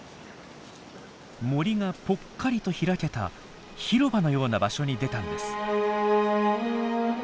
森がぽっかりと開けた広場のような場所に出たんです。